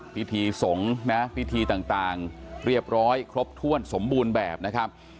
พิธีสงฆ์นะพิธีต่างเรียบร้อยครบถ้วนสมบูรณ์แบบนะครับ